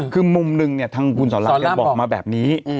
คือมุมหนึ่งเนี่ยทางคุณสอนราบอกมาแบบนี้